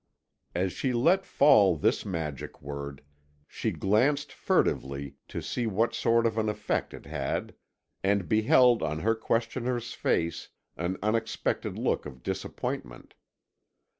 As she let fall this magic word, she glanced furtively to see what sort of an effect it had and beheld on her questioner's face an unexpected look of disappointment.